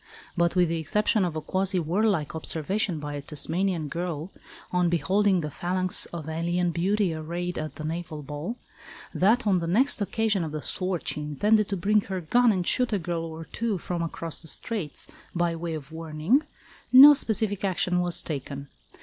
But with the exception of a quasi warlike observation by a Tasmanian girl, on beholding the phalanx of alien beauty arrayed at the naval ball, that on the next occasion of the sort she intended to bring her gun and shoot a girl or two "from across the Straits" by way of warning, no specific action was taken.